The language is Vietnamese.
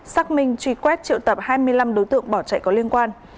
xác minh truy quét triệu tập hai mươi năm đối tượng bỏ chạy có liên quan